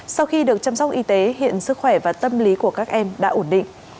sau khi được chăm sóc y tế hiện sức khỏe và tâm lý của các em đã ổn định